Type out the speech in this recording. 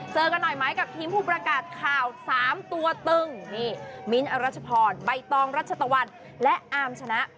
เจอกันหน่อยไหมกับทีมผู้ประกาศข่าว๓ตัวตึงนี่มิ้นท์อรัชพรใบตองรัชตะวันและอามชนะ